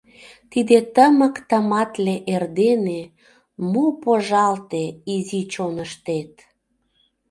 Тиде тымык-тыматле эрдене Мо пожалте изи чоныштет?